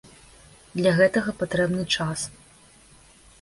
Для гэтага патрэбны час.